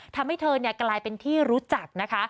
ทำให้เธอกลายเป็นที่รู้จักนะคะ